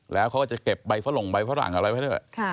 แล้วเขาจะเก็บใบฟะหลงใบฟ้าหลั่งอะไรไว้ด้วย